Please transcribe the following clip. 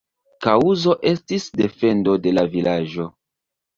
Kaŭzo estis defendo de la vilaĝo.